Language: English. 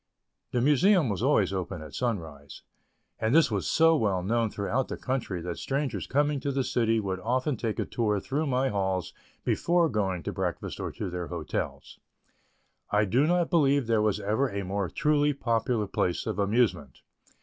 The Museum was always open at sunrise, and this was so well known throughout the country that strangers coming to the city would often take a tour through my halls before going to breakfast or to their hotels. I do not believe there was ever a more truly popular place of amusement.